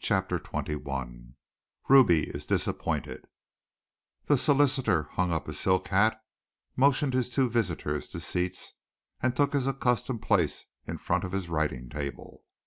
CHAPTER XXI RUBY IS DISAPPOINTED The solicitor hung up his silk hat, motioned his two visitors to seats, and took his accustomed place in front of his writing table.